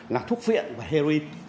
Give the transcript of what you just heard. là thuốc viện và heroin